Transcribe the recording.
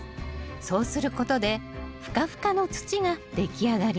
そうすることでふかふかの土が出来上がります。